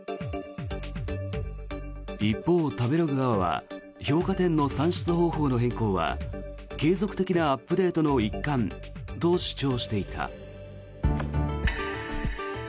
一方、食べログ側は評価点の算出方法の変更は継続的なアップデートの一環と主張していた。